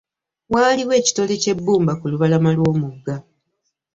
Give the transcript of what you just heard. Waaliwo ekitole ky'ebbumba ku lubalama lw'omugga.